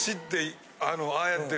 ああやって。